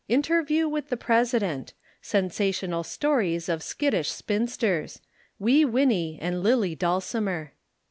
"Interview with the President. "Sensational Stories of Skittish Spinsters. "Wee Winnie and Lillie Dulcimer."